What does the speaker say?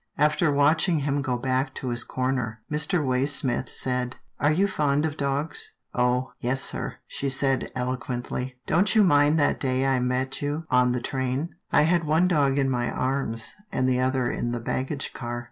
After watching him go back to his corner, Mr. Waysmith said, " Are you fond of dogs? "" Oh ! yes, sir," she said eloquently, " don't you mind that day I met you on the train, I had one dog in my arms, and the other in the baggage car?